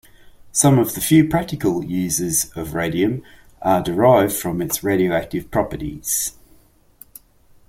Some of the few practical uses of radium are derived from its radioactive properties.